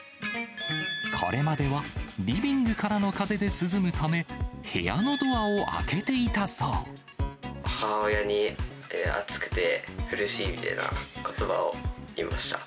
これまでは、リビングからの風で涼むため、母親に、暑くて苦しいみたいなことばを言いました。